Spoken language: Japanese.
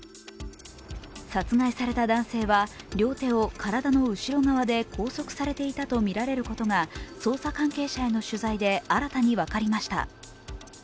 殺害された男性は両手を体の後ろ側で拘束されていたとみられることが捜査関係者への取材で新たに分かりました。